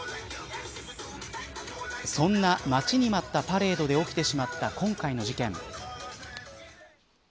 そんな待ちに待ったパレードで起きてしまった今回の事件。